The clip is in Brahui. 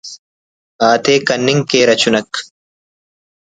آتے کننگ کیرہ چنک